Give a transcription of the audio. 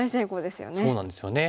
そうなんですよね。